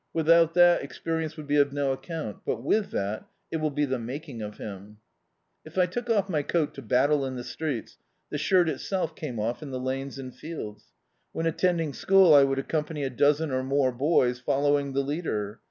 Without that experi ence would be of no account, but with that it will be the maldng of him." If I took off my coat to battle in the streets, the shirt itself came off in the lanes and fields. When attending school I would accom pany a dozen or more boys "following the leader."